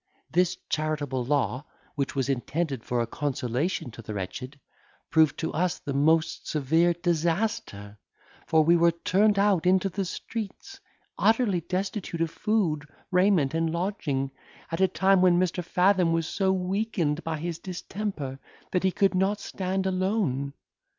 This charitable law, which was intended for a consolation to the wretched, proved to us the most severe disaster; for we were turned out into the streets, utterly destitute of food, raiment, and lodging, at a time when Mr. Fathom was so weakened by his distemper, that he could not stand alone.